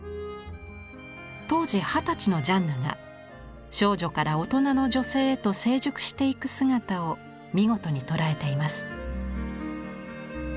当時二十歳のジャンヌが少女から大人の女性へと成熟していく姿を見事に捉えています。